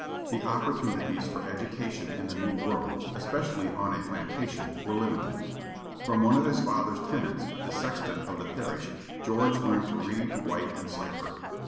The opportunities for education in the new world, especially on a plantation, were limited. From one of his father's tenants, the sexton of the parish, George learned to read, write, and cipher.